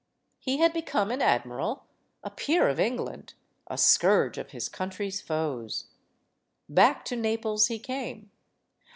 He had become an admiral, a peer of England, a scourge of his country's foes. Back to Naples he came.